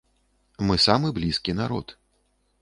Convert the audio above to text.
Мы самы блізкі народ.